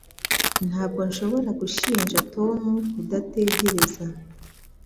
Ntabwo nshobora gushinja Tom kudategereza